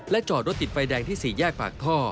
จอดรถติดไฟแดงที่๔แยกปากท่อ